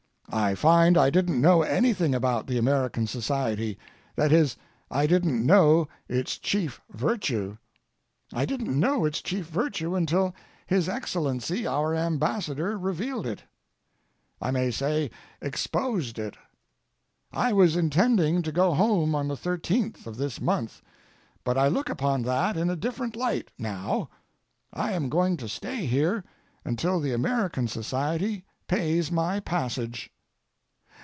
I find I didn't know anything about the American Society—that is, I didn't know its chief virtue. I didn't know its chief virtue until his Excellency our Ambassador revealed it—I may say, exposed it. I was intending to go home on the 13th of this month, but I look upon that in a different light now. I am going to stay here until the American Society pays my passage.